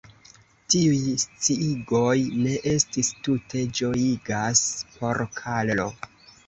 Tiuj sciigoj ne estis tute ĝojigaj por Karlo.